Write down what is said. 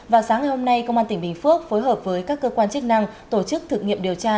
vào sáng ngày hôm nay công an tỉnh bình phước phối hợp với các cơ quan chức năng tổ chức thực nghiệm điều tra